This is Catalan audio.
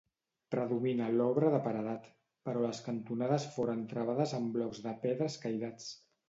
Predomina l'obra de paredat, però les cantonades foren travades amb blocs de pedra escairats.